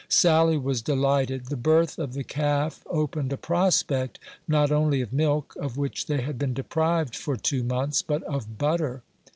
Sally was delighted; the birth of the calf opened a prospect not only of milk, of which they had been deprived for two months, but of butter.